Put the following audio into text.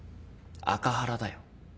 アカハラだよ。